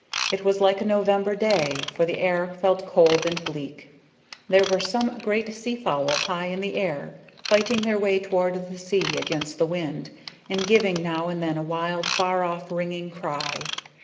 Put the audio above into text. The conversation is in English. It was like a November day, for the air felt cold and bleak. There were some great sea fowl high in the air, fighting their way toward the sea against the wind, and giving now and then a wild, far off ringing cry.